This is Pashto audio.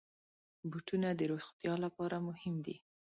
بوټونه د روغتیا لپاره مهم دي.